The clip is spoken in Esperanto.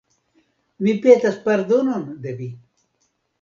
Mi petas pardonon de vi.